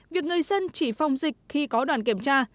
việc người dân chỉ phòng dịch khi có đoàn kiểm tra